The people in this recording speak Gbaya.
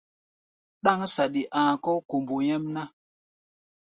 Ɗáŋ saɗi a̧a̧ kɔ̧́ kombo nyɛ́mná.